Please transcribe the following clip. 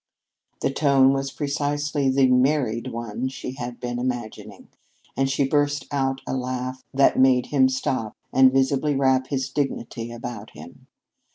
The tone was precisely the "married" one she had been imagining, and she burst out with a laugh that made him stop and visibly wrap his dignity about him.